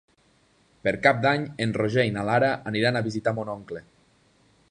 Per Cap d'Any en Roger i na Lara aniran a visitar mon oncle.